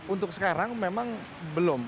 untuk sekarang memang belum